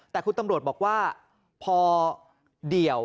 แต่คุณตำรวจบอกว่าพอเดี่ยว